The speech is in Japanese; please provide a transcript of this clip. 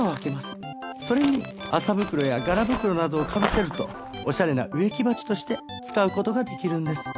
それに麻袋やガラ袋などをかぶせるとおしゃれな植木鉢として使う事ができるんです。